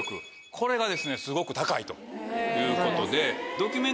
これがすごく高いということで。